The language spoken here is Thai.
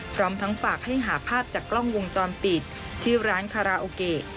พร้อมทั้งฝากให้หาภาพจากกล้องวงจรปิดที่ร้านคาราโอเกะ